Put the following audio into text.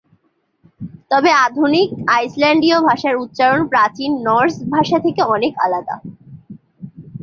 তবে আধুনিক আইসল্যান্ডীয় ভাষার উচ্চারণ প্রাচীন নর্স ভাষা থেকে অনেক আলাদা।